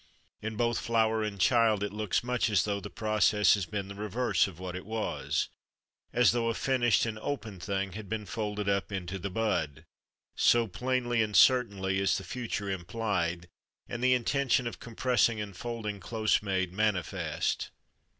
In both flower and child it looks much as though the process had been the reverse of what it was as though a finished and open thing had been folded up into the bud so plainly and certainly is the future implied, and the intention of compressing and folding close made manifest.